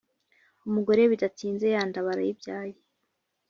Umugore bidatinze yanda aba arayibyaye.